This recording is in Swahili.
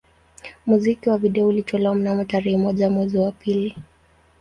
Muziki wa video ulitolewa mnamo tarehe moja mwezi wa pili